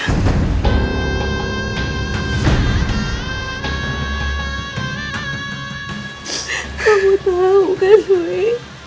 kamu tahu kan dewi